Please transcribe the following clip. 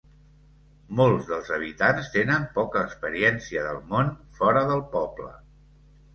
Molts dels habitants tenen poca experiència del món fora del poble.